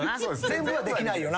全部はできないよな。